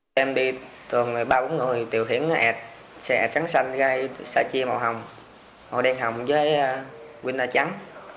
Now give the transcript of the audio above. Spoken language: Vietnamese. tụi em đi thường một mươi ba một mươi bốn người tiều khiển xe trắng xanh xe chia màu hồng màu đen hồng với quina trắng